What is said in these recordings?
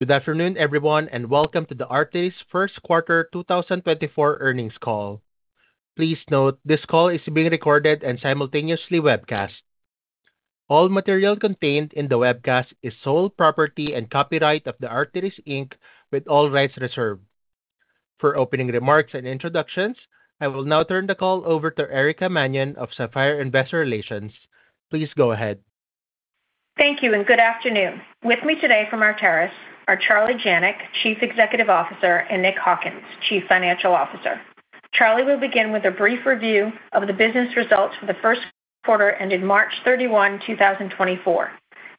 Good afternoon, everyone, and welcome to the Arteris First Quarter 2024 Earnings Call. Please note, this call is being recorded and simultaneously webcast. All material contained in the webcast is sole property and copyright of the Arteris, Inc. with all rights reserved. For opening remarks and introductions, I will now turn the call over to Erica Mannion of Sapphire Investor Relations. Please go ahead. Thank you, and good afternoon. With me today from Arteris are Charles Janac, Chief Executive Officer, and Nick Hawkins, Chief Financial Officer. Charles will begin with a brief review of the business results for the first quarter ended March 31, 2024.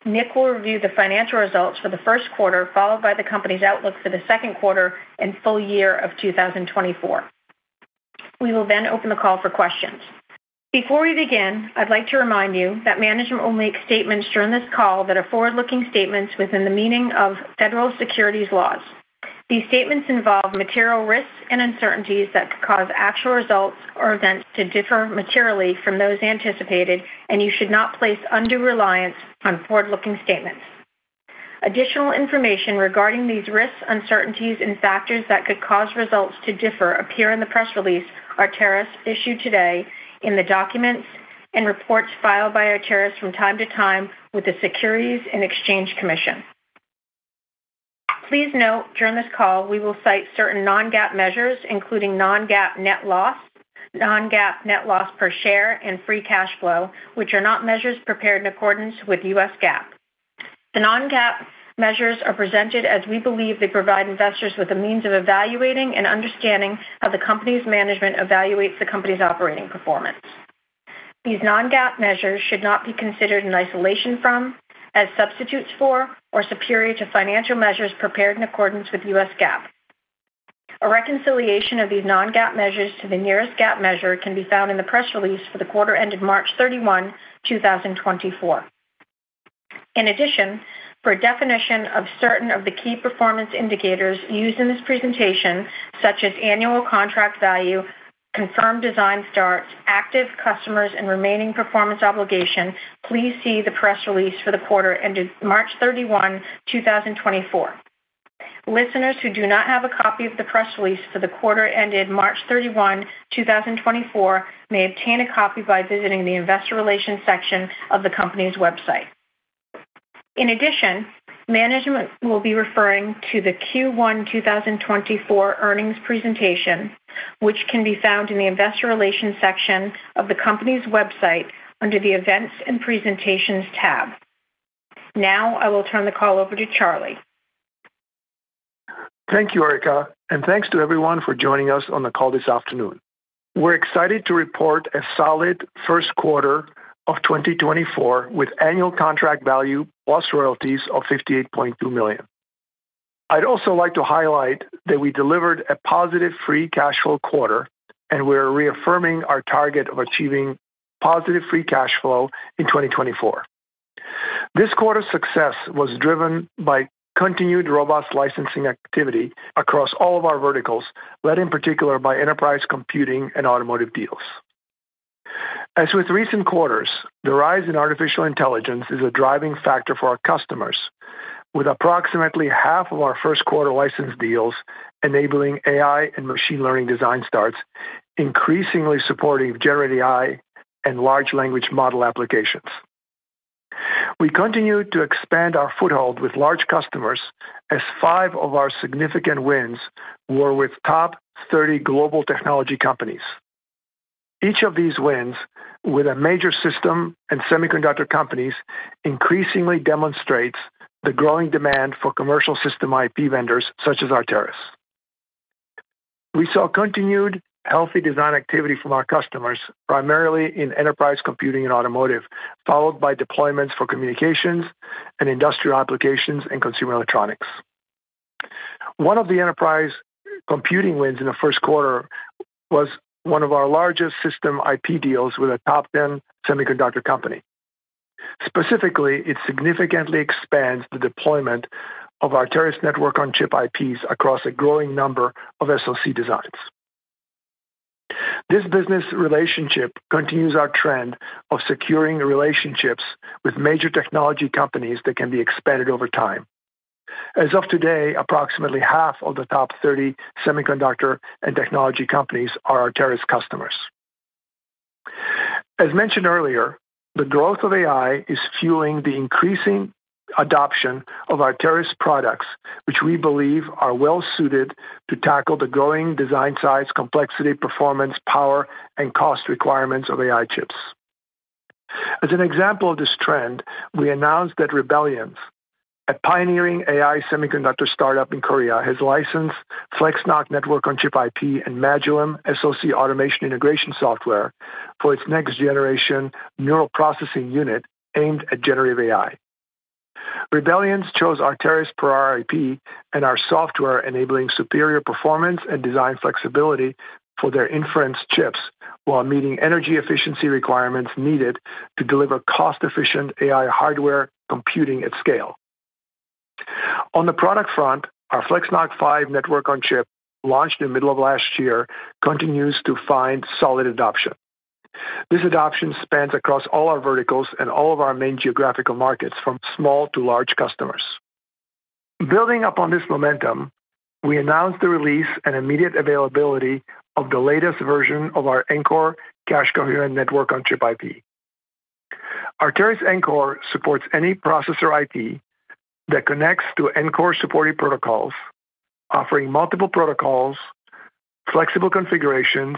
Nick will review the financial results for the first quarter, followed by the company's outlook for the second quarter and full year of 2024. We will then open the call for questions. Before we begin, I'd like to remind you that management will make statements during this call that are forward-looking statements within the meaning of federal securities laws. These statements involve material risks and uncertainties that could cause actual results or events to differ materially from those anticipated, and you should not place undue reliance on forward-looking statements. Additional information regarding these risks, uncertainties, and factors that could cause results to differ appear in the press release Arteris issued today in the documents and reports filed by Arteris from time to time with the Securities and Exchange Commission. Please note, during this call, we will cite certain non-GAAP measures, including non-GAAP net loss, non-GAAP net loss per share, and free cash flow, which are not measures prepared in accordance with U.S. GAAP. The non-GAAP measures are presented as we believe they provide investors with a means of evaluating and understanding how the company's management evaluates the company's operating performance. These non-GAAP measures should not be considered in isolation from, as substitutes for, or superior to financial measures prepared in accordance with U.S. GAAP. A reconciliation of these non-GAAP measures to the nearest GAAP measure can be found in the press release for the quarter ended March 31, 2024. In addition, for a definition of certain of the key performance indicators used in this presentation, such as annual contract value, confirmed design starts, active customers, and remaining performance obligation, please see the press release for the quarter ended March 31, 2024. Listeners who do not have a copy of the press release for the quarter ended March 31, 2024, may obtain a copy by visiting the investor relations section of the company's website. In addition, management will be referring to the Q1 2024 earnings presentation, which can be found in the investor relations section of the company's website under the Events and Presentations tab. Now, I will turn the call over to Charles. Thank you, Erica, and thanks to everyone for joining us on the call this afternoon. We're excited to report a solid first quarter of 2024, with annual contract value plus royalties of $58.2 million. I'd also like to highlight that we delivered a positive free cash flow quarter, and we are reaffirming our target of achieving positive free cash flow in 2024. This quarter's success was driven by continued robust licensing activity across all of our verticals, led in particular by enterprise computing and automotive deals. As with recent quarters, the rise in artificial intelligence is a driving factor for our customers, with approximately half of our first quarter license deals enabling AI and machine learning design starts, increasingly supporting Generative AI and large language model applications. We continue to expand our foothold with large customers as five of our significant wins were with top 30 global technology companies. Each of these wins with a major system and semiconductor companies increasingly demonstrates the growing demand for commercial system IP vendors such as Arteris. We saw continued healthy design activity from our customers, primarily in enterprise computing and automotive, followed by deployments for communications and industrial applications and consumer electronics. One of the enterprise computing wins in the first quarter was one of our largest system IP deals with a top 10 semiconductor company. Specifically, it significantly expands the deployment of Arteris Network-on-Chip IPs across a growing number of SoC designs. This business relationship continues our trend of securing relationships with major technology companies that can be expanded over time. As of today, approximately half of the top 30 semiconductor and technology companies are Arteris customers. As mentioned earlier, the growth of AI is fueling the increasing adoption of Arteris products, which we believe are well suited to tackle the growing design size, complexity, performance, power, and cost requirements of AI chips. As an example of this trend, we announced that Rebellions, a pioneering AI semiconductor startup in Korea, has licensed FlexNoC Network-on-Chip IP and Magillem SoC automation integration software for its next generation neural processing unit aimed at generative AI. Rebellions chose Arteris prior IP and our software enabling superior performance and design flexibility for their inference chips while meeting energy efficiency requirements needed to deliver cost-efficient AI hardware computing at scale. On the product front, our FlexNoC 5 Network-on-Chip, launched in the middle of last year, continues to find solid adoption. This adoption spans across all our verticals and all of our main geographical markets, from small to large customers. Building upon this momentum, we announced the release and immediate availability of the latest version of our Ncore cache coherent network on chip IP. Arteris Ncore supports any processor IP that connects to Ncore supported protocols, offering multiple protocols, flexible configurations,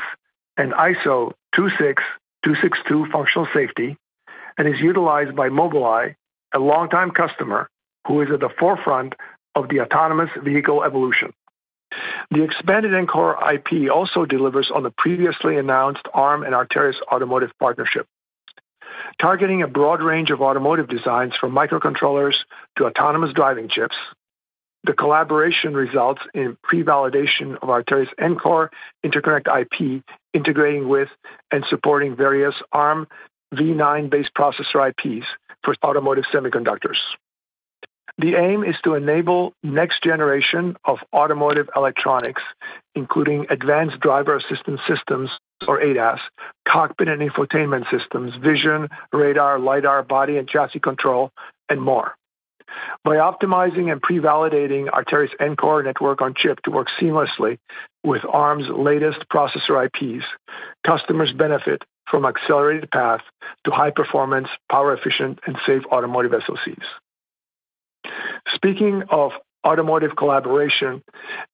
and ISO 26262 functional safety, and is utilized by Mobileye, a longtime customer, who is at the forefront of the autonomous vehicle evolution. The expanded Ncore IP also delivers on the previously announced Arm and Arteris automotive partnership. Targeting a broad range of automotive designs from microcontrollers to autonomous driving chips, the collaboration results in pre-validation of Arteris' Ncore interconnect IP, integrating with and supporting various Arm v9-based processor IPs for automotive semiconductors. The aim is to enable next generation of automotive electronics, including Advanced Driver Assistance Systems, or ADAS, cockpit and infotainment systems, vision, radar, lidar, body and chassis control, and more. By optimizing and pre-validating Arteris' Ncore network-on-chip to work seamlessly with Arm's latest processor IPs, customers benefit from accelerated path to high performance, power efficient, and safe automotive SoCs. Speaking of automotive collaboration,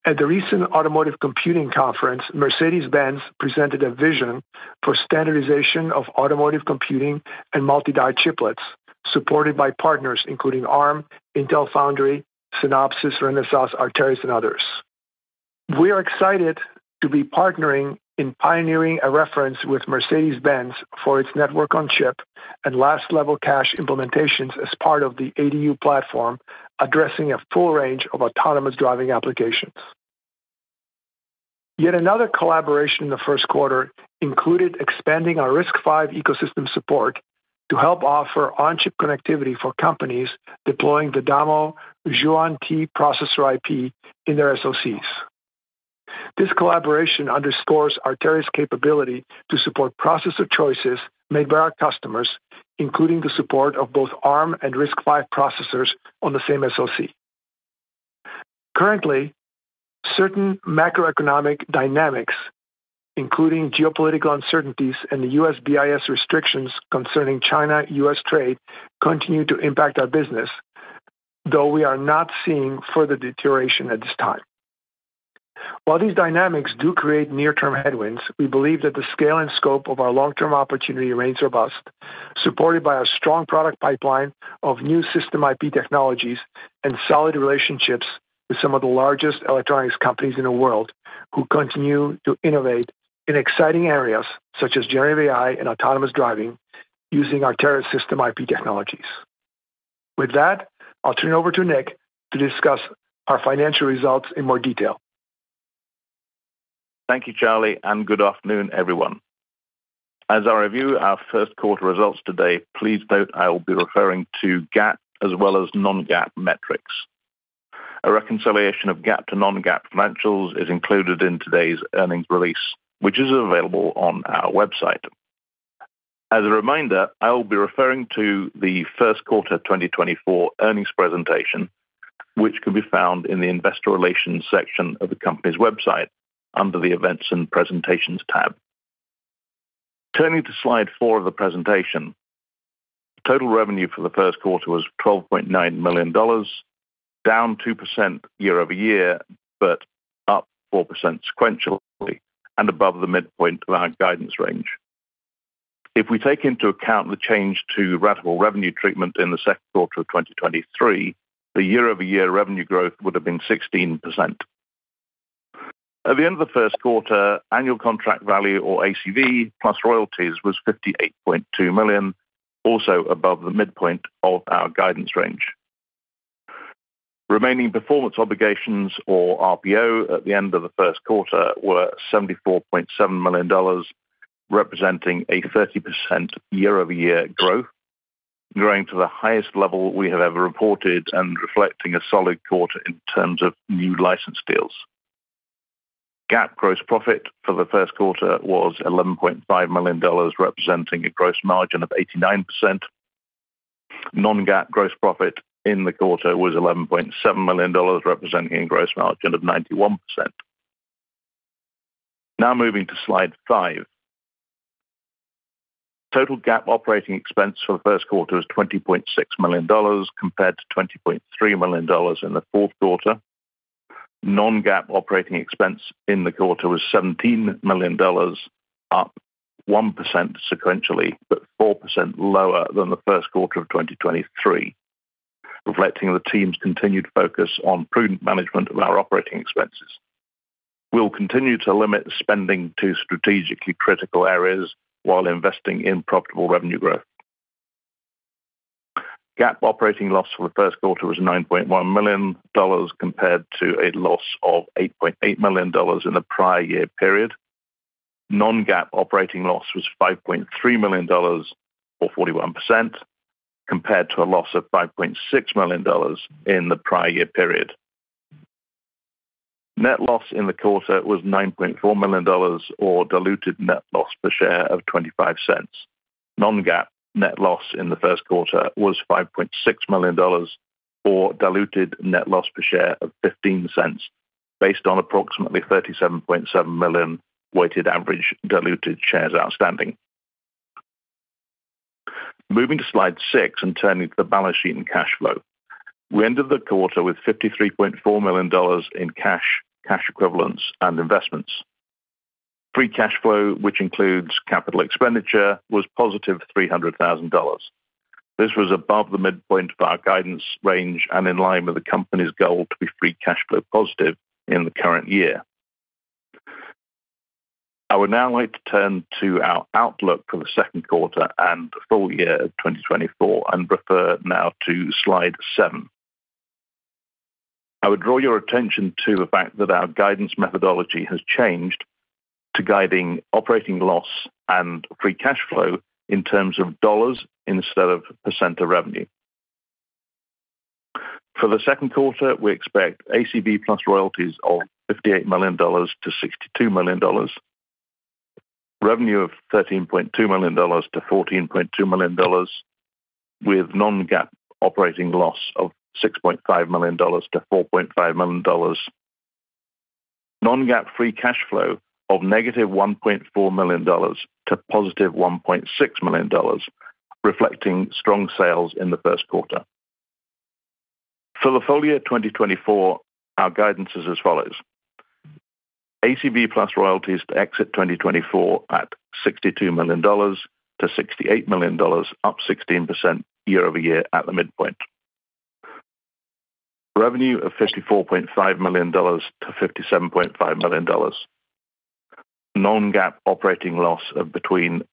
at the recent Automotive Computing Conference, Mercedes-Benz presented a vision for standardization of automotive computing and multi-die chiplets, supported by partners including Arm, Intel Foundry, Synopsys, Renesas, Arteris, and others. We are excited to be partnering in pioneering a reference with Mercedes-Benz for its network-on-chip and last level cache implementations as part of the ADU platform, addressing a full range of autonomous driving applications. Yet another collaboration in the first quarter included expanding our RISC-V ecosystem support to help offer on-chip connectivity for companies deploying the DAMO XuanTie processor IP in their SoCs. This collaboration underscores Arteris' capability to support processor choices made by our customers, including the support of both Arm and RISC-V processors on the same SoC. Currently, certain macroeconomic dynamics, including geopolitical uncertainties and the U.S. BIS restrictions concerning China, U.S. trade, continue to impact our business, though we are not seeing further deterioration at this time. While these dynamics do create near-term headwinds, we believe that the scale and scope of our long-term opportunity remains robust, supported by our strong product pipeline of new system IP technologies and solid relationships with some of the largest electronics companies in the world, who continue to innovate in exciting areas such as generative AI and autonomous driving, using Arteris system IP technologies. With that, I'll turn it over to Nick to discuss our financial results in more detail. Thank you, Charles, and good afternoon, everyone. As I review our first quarter results today, please note I will be referring to GAAP as well as non-GAAP metrics. A reconciliation of GAAP to non-GAAP financials is included in today's earnings release, which is available on our website. As a reminder, I will be referring to the first quarter 2024 earnings presentation, which can be found in the investor relations section of the company's website under the Events and Presentations tab. Turning to slide four of the presentation, total revenue for the first quarter was $12.9 million, down 2% year-over-year, but up 4% sequentially and above the midpoint of our guidance range. If we take into account the change to ratable revenue treatment in the second quarter of 2023, the year-over-year revenue growth would have been 16%. At the end of the first quarter, annual contract value, or ACV, plus royalties, was $58.2 million, also above the midpoint of our guidance range. Remaining performance obligations, or RPO, at the end of the first quarter were $74.7 million, representing a 30% year-over-year growth, growing to the highest level we have ever reported and reflecting a solid quarter in terms of new license deals. GAAP gross profit for the first quarter was $11.5 million, representing a gross margin of 89%. Non-GAAP gross profit in the quarter was $11.7 million, representing a gross margin of 91%. Now moving to slide five. Total GAAP operating expense for the first quarter was $20.6 million, compared to $20.3 million in the fourth quarter. Non-GAAP operating expense in the quarter was $17 million, up 1% sequentially, but 4% lower than the first quarter of 2023, reflecting the team's continued focus on prudent management of our operating expenses. We'll continue to limit spending to strategically critical areas while investing in profitable revenue growth. GAAP operating loss for the first quarter was $9.1 million, compared to a loss of $8.8 million in the prior year period. Non-GAAP operating loss was $5.3 million, or 41%, compared to a loss of $5.6 million in the prior year period. Net loss in the quarter was $9.4 million, or diluted net loss per share of $0.25. Non-GAAP net loss in the first quarter was $5.6 million, or diluted net loss per share of $0.15, based on approximately 37.7 million weighted average diluted shares outstanding. Moving to slide 6 and turning to the balance sheet and cash flow. We ended the quarter with $53.4 million in cash, cash equivalents, and investments. Free cash flow, which includes capital expenditure, was positive $300,000. This was above the midpoint of our guidance range and in line with the company's goal to be free cash flow positive in the current year. I would now like to turn to our outlook for the second quarter and the full year of 2024 and refer now to slide seven. I would draw your attention to the fact that our guidance methodology has changed to guiding operating loss and free cash flow in terms of dollars instead of percent of revenue. For the second quarter, we expect ACV plus royalties of $58 million-$62 million, revenue of $13.2 million-$14.2 million, with non-GAAP operating loss of $6.5 million-$4.5 million. Non-GAAP free cash flow of -$1.4 million to +$1.6 million, reflecting strong sales in the first quarter. For the full year 2024, our guidance is as follows: ACV plus royalties to exit 2024 at $62 million-$68 million, up 16% year-over-year at the midpoint. Revenue of $54.5 million-$57.5 million. Non-GAAP operating loss of between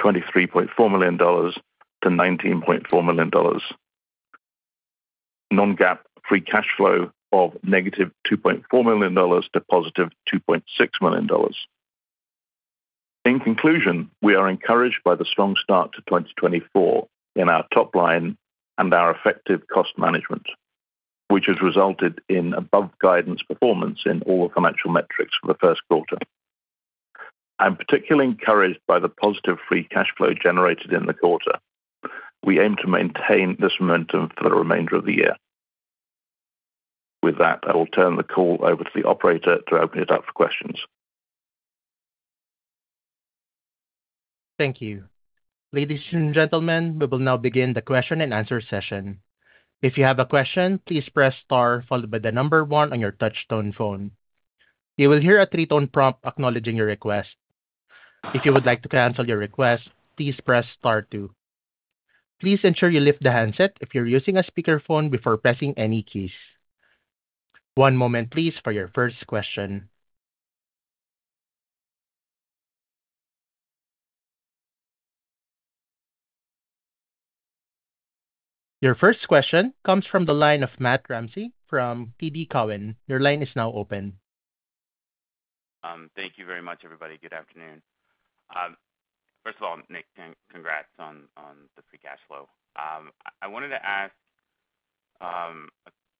$23.4 million-$19.4 million. Non-GAAP free cash flow of -$2.4 million to +$2.6 million. In conclusion, we are encouraged by the strong start to 2024 in our top line and our effective cost management, which has resulted in above guidance performance in all financial metrics for the first quarter. I'm particularly encouraged by the positive free cash flow generated in the quarter. We aim to maintain this momentum for the remainder of the year. With that, I will turn the call over to the operator to open it up for questions. Thank you. Ladies and gentlemen, we will now begin the question-and-answer session. If you have a question, please press star followed by the number one on your touchtone phone. You will hear a three-tone prompt acknowledging your request. If you would like to cancel your request, please press star two. Please ensure you lift the handset if you're using a speakerphone before pressing any keys. One moment, please, for your first question. Your first question comes from the line of Matt Ramsay from TD Cowen. Your line is now open. Thank you very much, everybody. Good afternoon. First of all, Nick, congrats on the free cash flow. I wanted to ask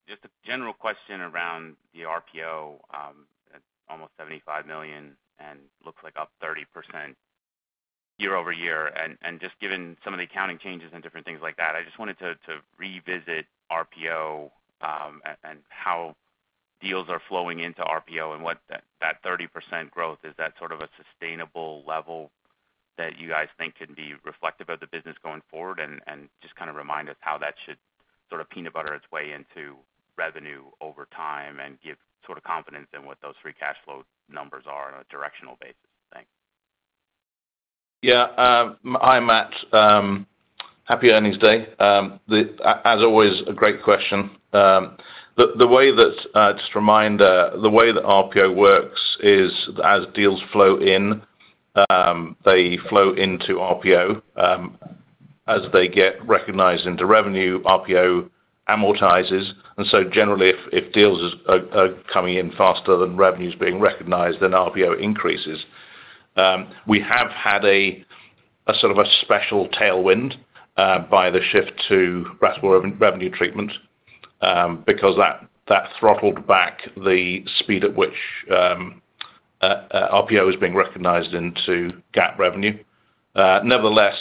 just a general question around the RPO at almost $75 million and looks like up 30% year-over-year. And just given some of the accounting changes and different things like that, I just wanted to revisit RPO and how deals are flowing into RPO and what that 30% growth is that sort of a sustainable level that you guys think can be reflective of the business going forward? And just kind of remind us how that should sort of peanut butter its way into revenue over time and give sort of confidence in what those free cash flow numbers are on a directional basis? Thanks. Yeah. Hi, Matt. Happy earnings day. As always, a great question. Just a reminder, the way that RPO works is as deals flow in, they flow into RPO. As they get recognized into revenue, RPO amortizes, and so generally, if deals are coming in faster than revenues being recognized, then RPO increases. We have had a sort of a special tailwind by the shift to ratable revenue treatment, because that throttled back the speed at which RPO is being recognized into GAAP revenue. Nevertheless,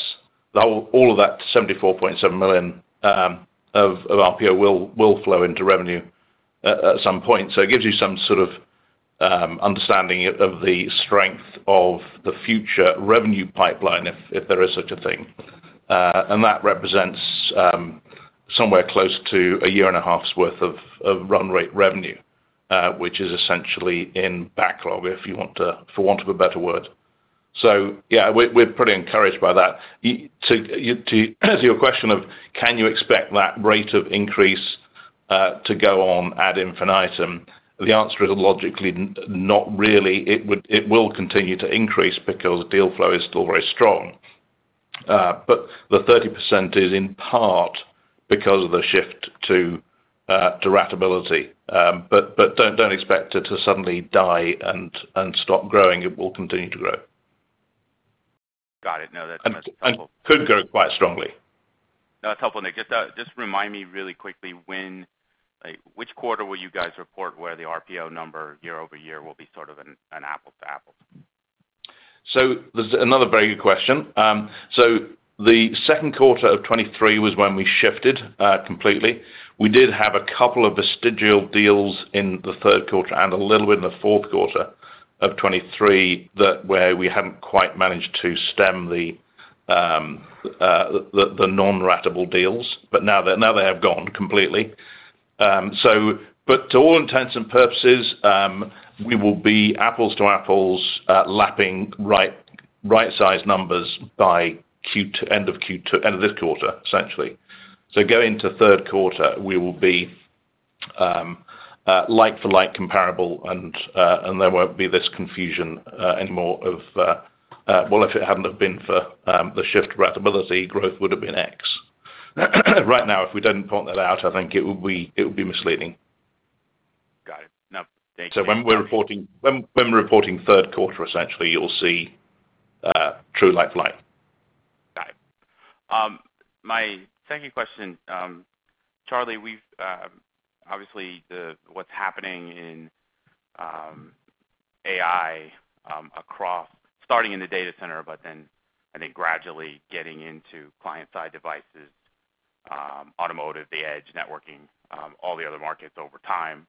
all of that $74.7 million of RPO will flow into revenue at some point. So it gives you some sort of understanding of the strength of the future revenue pipeline, if there is such a thing. And that represents somewhere close to a year and a half's worth of run rate revenue, which is essentially in backlog, if you want to—for want of a better word. So yeah, we're pretty encouraged by that. To your question of, can you expect that rate of increase to go on ad infinitum? The answer is logically, not really. It will continue to increase because deal flow is still very strong. But the 30% is in part because of the shift to ratability. But don't expect it to suddenly die and stop growing. It will continue to grow. Got it. No, that's And could grow quite strongly. That's helpful, Nick. Just, just remind me really quickly, when, like, which quarter will you guys report where the RPO number year-over-year will be sort of an apple-to-apple? So there's another very good question. So the second quarter of 2023 was when we shifted completely. We did have a couple of vestigial deals in the third quarter and a little bit in the fourth quarter of 2023, that where we hadn't quite managed to stem the non-ratable deals, but now they, now they have gone completely. But to all intents and purposes, we will be apples to apples lapping right-sized numbers by Q2, end of Q2 - end of this quarter, essentially. So going into third quarter, we will be like for like comparable and there won't be this confusion anymore of well, if it hadn't have been for the shift ratability, growth would've been X. Right now, if we didn't point that out, I think it would be, it would be misleading. Got it. Now, thank you. So when we're reporting third quarter, essentially, you'll see true like for like. Got it. My second question, Charles, we've obviously what's happening in AI across, starting in the data center, but then I think gradually getting into client-side devices, automotive, the edge, networking, all the other markets over time.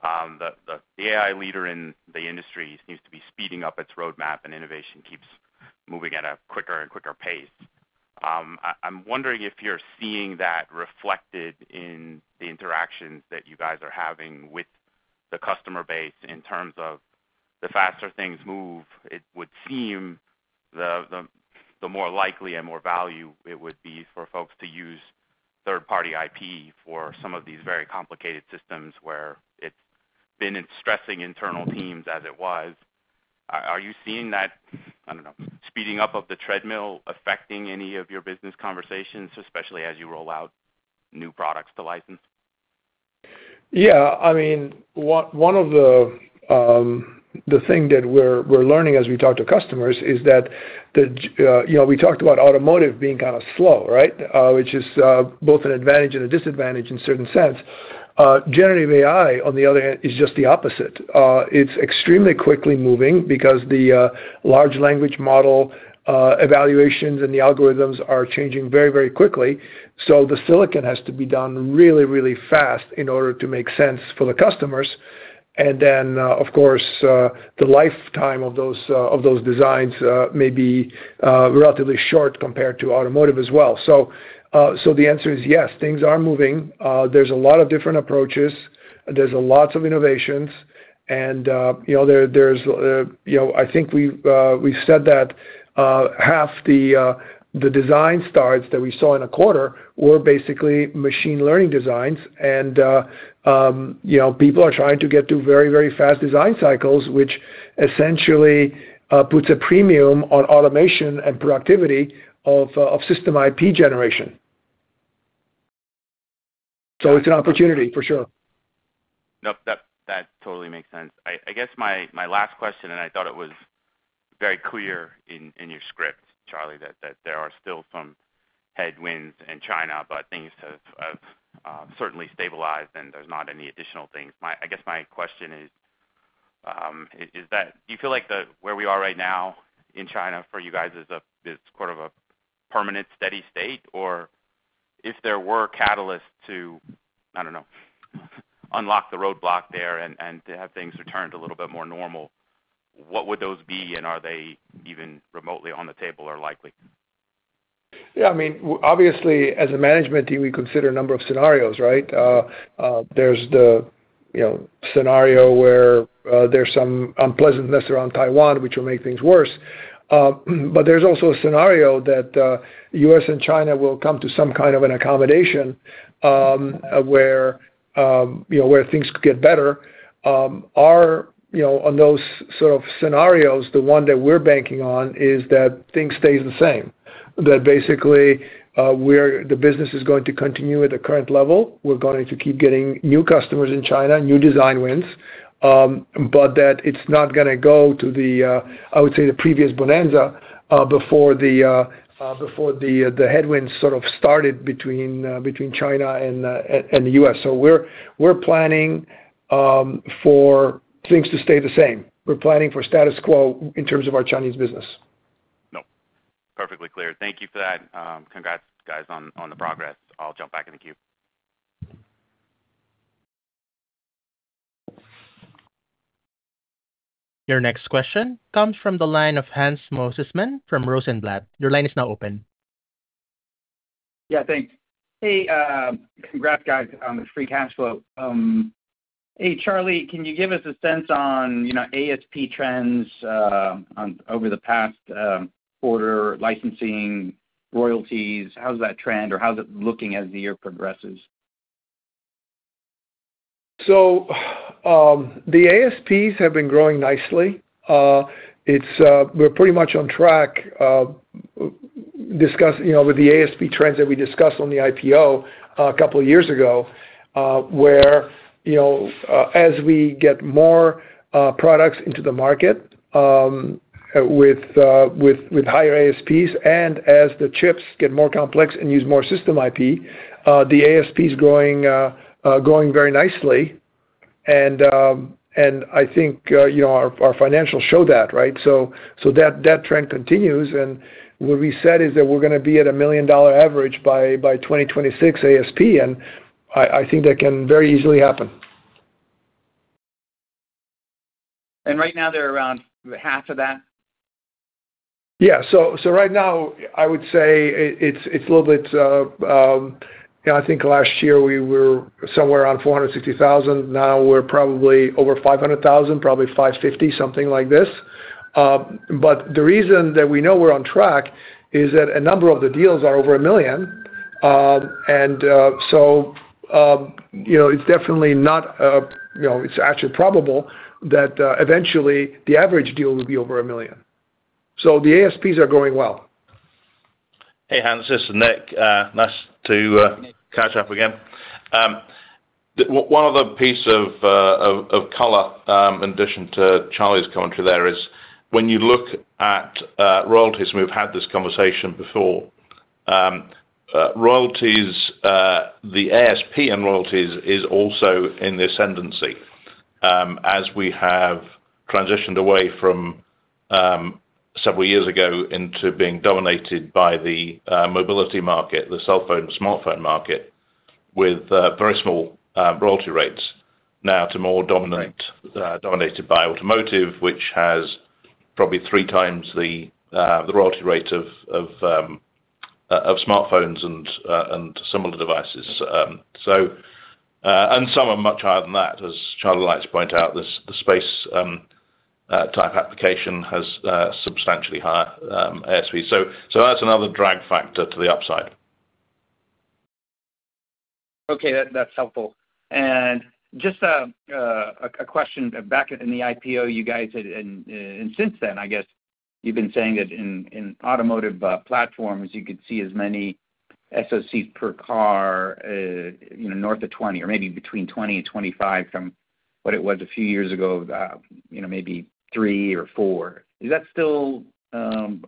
The AI leader in the industry seems to be speeding up its roadmap, and innovation keeps moving at a quicker and quicker pace. I'm wondering if you're seeing that reflected in the interactions that you guys are having with the customer base in terms of the faster things move, it would seem the more likely and more value it would be for folks to use third-party IP for some of these very complicated systems where it's been in stressing internal teams as it was. Are you seeing that, I don't know, speeding up of the treadmill affecting any of your business conversations, especially as you roll out new products to license? Yeah, I mean, one of the things that we're learning as we talk to customers is that, you know, we talked about automotive being kind of slow, right? Which is both an advantage and a disadvantage in certain sense. Generative AI, on the other hand, is just the opposite. It's extremely quickly moving because the large language model evaluations and the algorithms are changing very, very quickly, so the silicon has to be done really, really fast in order to make sense for the customers. And then, of course, the lifetime of those designs may be relatively short compared to automotive as well. So, the answer is yes, things are moving. There's a lot of different approaches. There's a lot of innovations, and, you know, there's, you know, I think we've said that half the design starts that we saw in a quarter were basically machine learning designs and, you know, people are trying to get to very, very fast design cycles, which essentially puts a premium on automation and productivity of system IP generation. So it's an opportunity, for sure. Nope, that totally makes sense. I guess my last question, and I thought it was very clear in your script, Charlie, that there are still some headwinds in China, but things have certainly stabilized, and there's not any additional things. I guess my question is, is that, do you feel like the where we are right now in China for you guys is a sort of a permanent steady state, or if there were catalysts to, I don't know, unlock the roadblock there and to have things returned a little bit more normal, what would those be, and are they even remotely on the table or likely? Yeah, I mean, obviously, as a management team, we consider a number of scenarios, right? There's the, you know, scenario where there's some unpleasantness around Taiwan, which will make things worse. But there's also a scenario that U.S. and China will come to some kind of an accommodation, where, you know, where things could get better. Our, You know, on those sort of scenarios, the one that we're banking on is that things stays the same. That basically, the business is going to continue at the current level. We're going to keep getting new customers in China, new design wins, but that it's not gonna go to the, I would say, the previous bonanza, before the headwinds sort of started between China and the U.S. So we're planning for things to stay the same. We're planning for status quo in terms of our Chinese business. Nope. Perfectly clear. Thank you for that. Congrats, guys, on the progress. I'll jump back in the queue. Your next question comes from the line of Hans Mosesmann from Rosenblatt. Your line is now open. Yeah, thanks. Hey, congrats guys, on the free cash flow. Hey, Charlie, can you give us a sense on, you know, ASP trends, on, over the past quarter, licensing, royalties? How's that trend, or how's it looking as the year progresses? So, the ASPs have been growing nicely. We're pretty much on track, you know, with the ASP trends that we discussed on the IPO a couple of years ago, where, you know, as we get more products into the market with higher ASPs, and as the chips get more complex and use more system IP, the ASP is growing very nicely. And I think, you know, our financials show that, right? So that trend continues. And what we said is that we're gonna be at a $1 million average by 2026 ASP, and I think that can very easily happen. Right now, they're around half of that? Yeah. So right now, I would say it's a little bit, you know, I think last year we were somewhere around $460,000. Now we're probably over $500,000, probably $550,000, something like this. But the reason that we know we're on track is that a number of the deals are over $1 million. And so, you know, it's definitely not, you know, it's actually probable that eventually the average deal will be over $1 million. So the ASPs are going well. Hey, Hans, this is Nick. Nice to catch up again. One other piece of color, in addition to Charles's commentary, there is, when you look at royalties, we've had this conversation before. Royalties, the ASP and royalties is also in the ascendancy, as we have transitioned away from several years ago into being dominated by the mobility market, the cell phone, smartphone market, with very small royalty rates now to more dominant, dominated by automotive, which has probably three times the royalty rate of smartphones and similar devices. And some are much higher than that. As Charles likes to point out, the space type application has substantially higher ASP. So, that's another drag factor to the upside. Okay, that's helpful. And just a question. Back in the IPO, you guys had, and since then, I guess, you've been saying that in automotive platforms, you could see as many SoCs per car, you know, north of 20 or maybe between 20 and 25, from what it was a few years ago, you know, maybe three or four. Is that still seen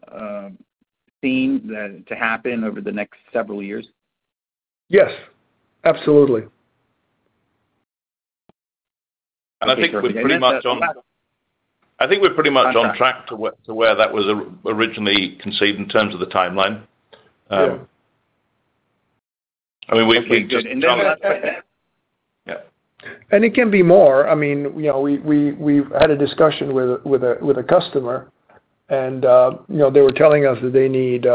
that to happen over the next several years? Yes, absolutely. I think we're pretty much on track to where that was originally conceived in terms of the timeline. Yeah. I mean, we Okay, good. Yeah. It can be more. I mean, you know, we've had a discussion with a customer, and you know, they were telling us that they need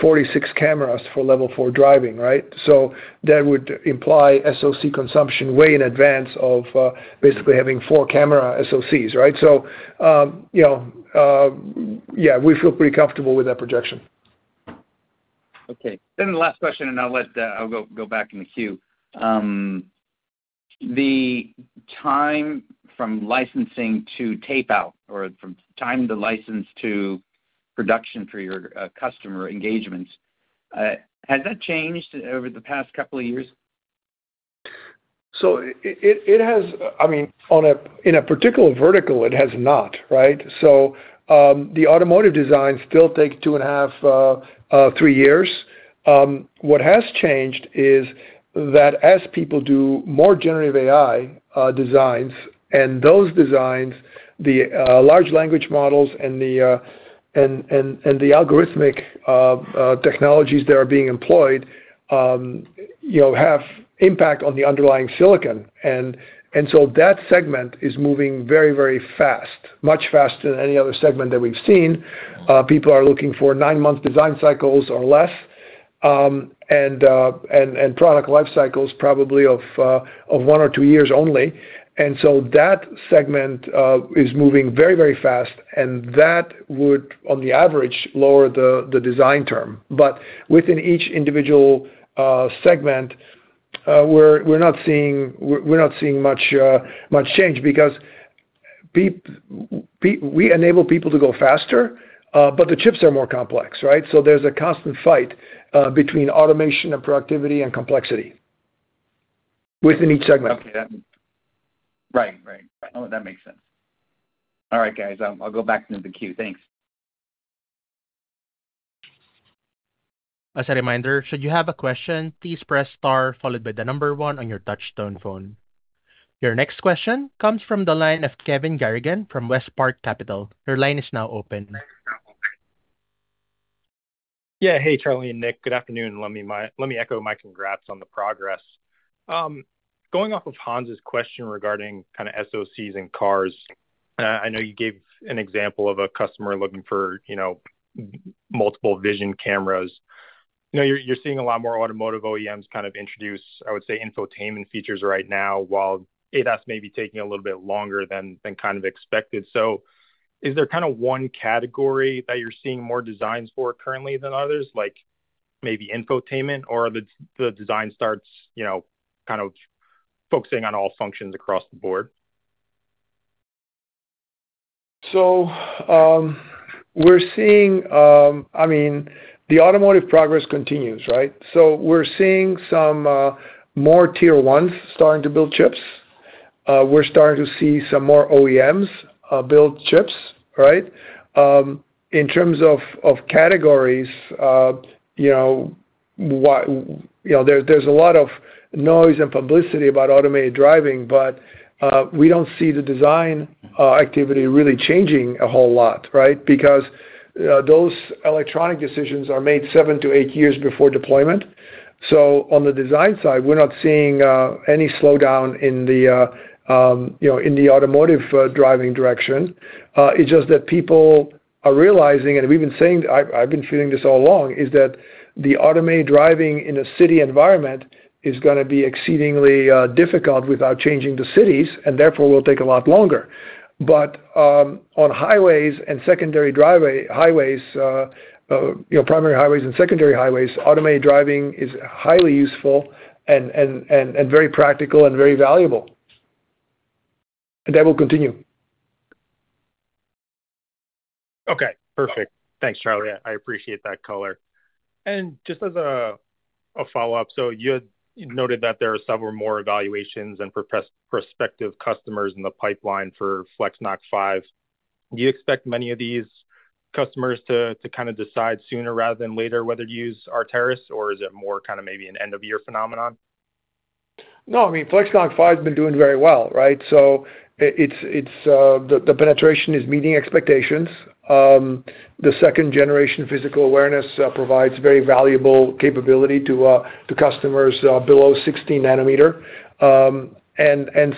46 cameras for level four driving, right? So that would imply SoC consumption way in advance of basically having four camera SoCs, right? So, you know, yeah, we feel pretty comfortable with that projection. Okay. Then the last question, and I'll let, I'll go back in the queue. The time from licensing to tape out or from time to license to production for your customer engagements has that changed over the past couple of years? So, it has. I mean, in a particular vertical, it has not, right? So, the automotive designs still take 2.5-3 years. What has changed is that as people do more generative AI designs, and those designs, the large language models and the algorithmic technologies that are being employed, you know, have impact on the underlying silicon. And so that segment is moving very, very fast, much faster than any other segment that we've seen. People are looking for nine-month design cycles or less, and product life cycles probably of one or two years only. And so that segment is moving very, very fast, and that would, on the average, lower the design term. But within each individual segment, we're not seeing much change because we enable people to go faster, but the chips are more complex, right? So there's a constant fight between automation and productivity and complexity within each segment. Okay, that Right, right. Right. Oh, that makes sense. All right, guys, I'll go back into the queue. Thanks. As a reminder, should you have a question, please press star followed by the number one on your touchtone phone. Your next question comes from the line of Kevin Garrigan from WestPark Capital. Your line is now open. Yeah. Hey, Charles and Nick, good afternoon. Let me echo my congrats on the progress. Going off of Hans's question regarding kind of SoCs and cars, I know you gave an example of a customer looking for, you know, multiple vision cameras. You know, you're seeing a lot more automotive OEMs kind of introduce, I would say, infotainment features right now, while ADAS may be taking a little bit longer than expected. So is there kind of one category that you're seeing more designs for currently than others, like maybe infotainment or the design starts, you know, kind of focusing on all functions across the board? So, we're seeing, I mean, the automotive progress continues, right? So we're seeing some more tier ones starting to build chips. We're starting to see some more OEMs build chips, right? In terms of categories, you know, there's a lot of noise and publicity about automated driving, but we don't see the design activity really changing a whole lot, right? Because those electronic decisions are made seven-eight years before deployment. So, on the design side, we're not seeing any slowdown in the, you know, in the automotive driving direction. It's just that people are realizing, and we've been saying, I've been feeling this all along, is that the automated driving in a city environment is gonna be exceedingly difficult without changing the cities, and therefore, will take a lot longer. But on highways and secondary driveway, highways, you know, primary highways and secondary highways, automated driving is highly useful and very practical and very valuable. And that will continue. Okay, perfect. Thanks, Charles. I appreciate that color. And just as a follow-up, so you had noted that there are several more evaluations and prospective customers in the pipeline for FlexNoC 5. Do you expect many of these customers to kind of decide sooner rather than later whether to use Arteris, or is it more kind of maybe an end-of-year phenomenon? No, I mean FlexNoC 5, ACV has been doing very well, right? So, it's the penetration is meeting expectations. The second-generation physical awareness provides very valuable capability to customers below 60 Nm. And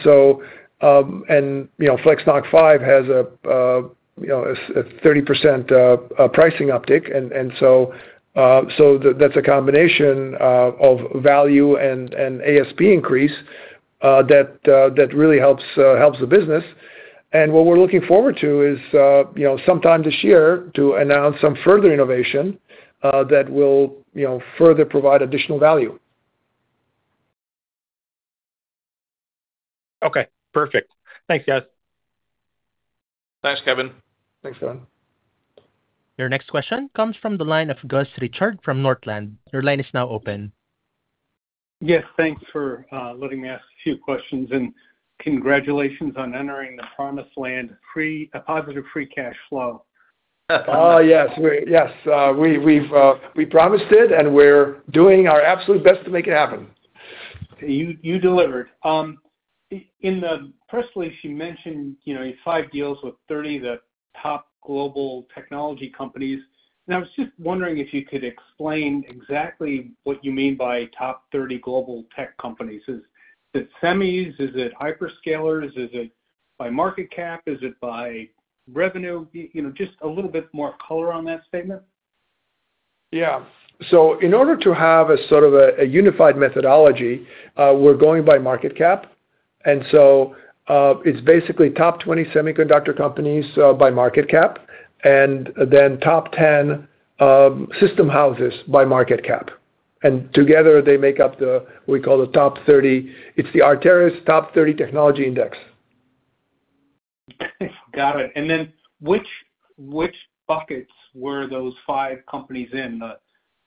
you know, FlexNoC 5 has a you know, a 30% pricing uptick. And so that's a combination of value and ASP increase that really helps the business. And what we're looking forward to is you know, sometime this year to announce some further innovation that will you know, further provide additional value. Okay, perfect. Thanks, guys. Thanks, Kevin. Thanks, Kevin. Your next question comes from the line of Gus Richard from Northland. Your line is now open. Yes. Thanks for letting me ask a few questions, and congratulations on entering the Promised Land free, a positive free cash flow. Oh, yes, we promised it, and we're doing our absolute best to make it happen. You, you delivered. In the press release, you mentioned, you know, five deals with 30 of the top global technology companies. And I was just wondering if you could explain exactly what you mean by top 30 global tech companies. Is it semis? Is it hyperscalers? Is it by market cap? Is it by revenue? You know, just a little bit more color on that statement. Yeah. So in order to have a sort of a unified methodology, we're going by market cap. And so, it's basically top 20 semiconductor companies, by market cap, and then top 10, system houses by market cap. And together, they make up the, we call the top 30. It's the Arteris Top 30 Technology Index. Got it. And then which, which buckets were those five companies in, the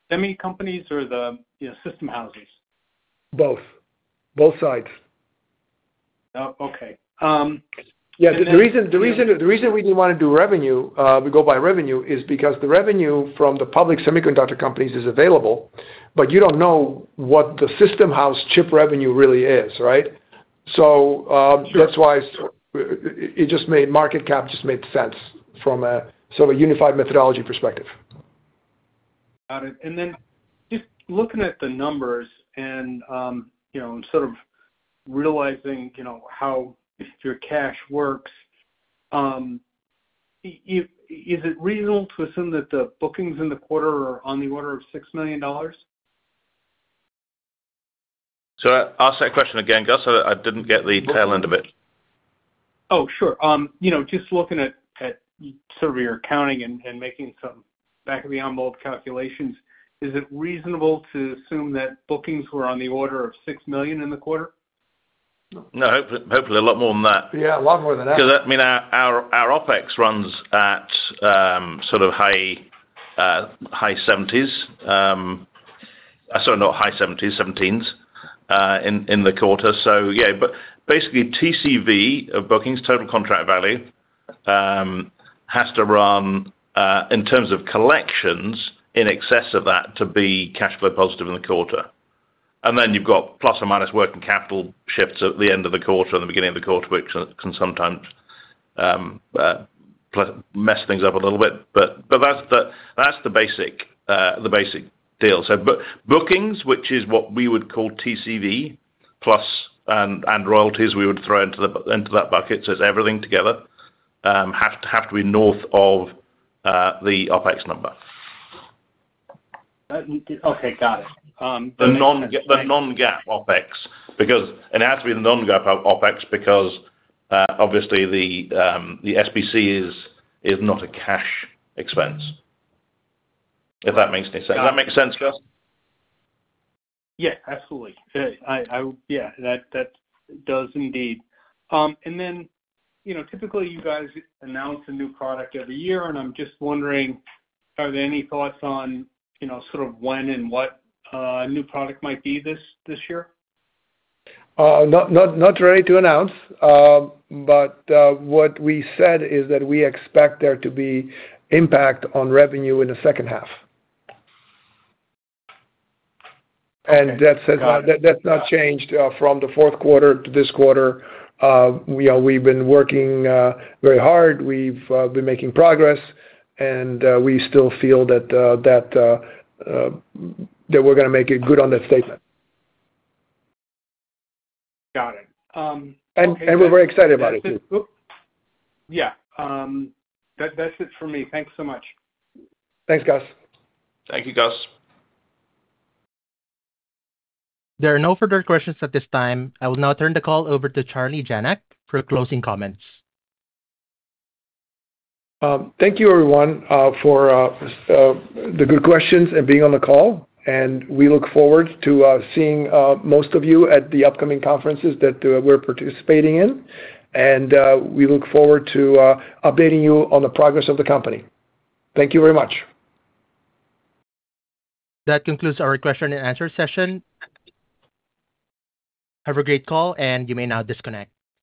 semi companies or the, you know, system houses? Both. Both sides. Oh, okay. Yeah, the reason we didn't wanna do revenue, we go by revenue, is because the revenue from the public semiconductor companies is available, but you don't know what the system house chip revenue really is, right? So, Sure. That's why it just made market cap, just made sense from a sort of a unified methodology perspective. Got it. And then just looking at the numbers and, you know, and sort of realizing, you know, how your cash works, is it reasonable to assume that the bookings in the quarter are on the order of $6 million? Sorry, ask that question again, Gus. I didn't get the tail end of it. Oh, sure. You know, just looking at sort of your accounting and making some back-of-the-envelope calculations, is it reasonable to assume that bookings were on the order of $6 million in the quarter? No, hopefully, hopefully, a lot more than that. Yeah, a lot more than that. 'Cause, I mean, our OpEx runs at sort of high 70s. Sorry, not high 70s, 17s, in the quarter. So yeah, but basically TCV of bookings, total contract value, has to run in terms of collections in excess of that to be cash flow positive in the quarter. And then you've got plus or minus working capital shifts at the end of the quarter or the beginning of the quarter, which can sometimes mess things up a little bit. But that's the basic deal. So, bookings, which is what we would call TCV plus royalties, we would throw into that bucket, so it's everything together have to be north of the OpEx number. Okay, got it. The non-GAAP, the non-GAAP OpEx, because... It has to be the non-GAAP OpEx because, obviously, the SBC is not a cash expense, if that makes any sense. Got it. Does that make sense, Gus? Yeah, absolutely. Yeah, that does indeed. And then, you know, typically you guys announce a new product every year, and I'm just wondering, are there any thoughts on, you know, sort of when and what new product might be this year? Not ready to announce. But what we said is that we expect there to be impact on revenue in the second half. Okay. That's not changed from the fourth quarter to this quarter. We know we've been working very hard. We've been making progress, and we still feel that we're gonna make good on that statement. Got it. And we're very excited about it too. Yeah. That, that's it for me. Thanks so much. Thanks, Gus. Thank you, Gus. There are no further questions at this time. I will now turn the call over to Charles Janac for closing comments. Thank you, everyone, for the good questions and being on the call, and we look forward to seeing most of you at the upcoming conferences that we're participating in. We look forward to updating you on the progress of the company. Thank you very much. That concludes our question and answer session. Have a great call, and you may now disconnect.